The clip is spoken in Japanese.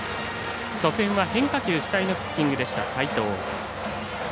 初戦は変化球主体のピッチングでした、齋藤。